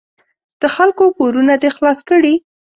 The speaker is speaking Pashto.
د خلکو پورونه دې خلاص کړي.